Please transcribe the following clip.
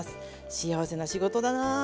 幸せな仕事だな。